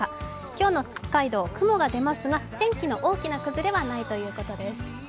今日の北海道、雲が出ますが天気の大きな崩れはないということです。